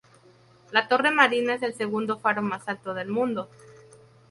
La Torre marina es el segundo faro más alto del mundo.